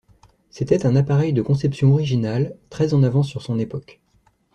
C'était un appareil de conception originale, très en avance sur son époque.